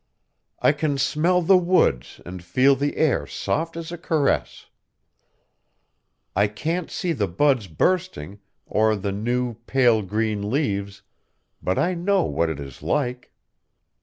"I can smell the woods and feel the air soft as a caress. I can't see the buds bursting, or the new, pale green leaves, but I know what it is like.